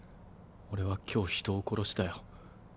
俺は今日人を殺したよ。